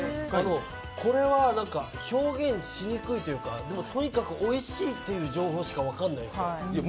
これは表現しにくいというかとにかくおいしいという情報しか分かんないですよ。